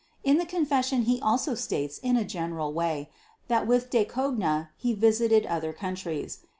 In the Confession he also states in a general way that with de Cogna he visited other countries.